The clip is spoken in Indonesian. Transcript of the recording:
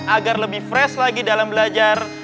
agar lebih fresh lagi dalam belajar